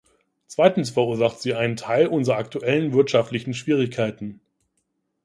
Zweitens verursacht sie einen Teil unser aktuellen wirtschaftlichen Schwierigkeiten.